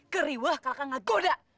geriwa kakak gak goda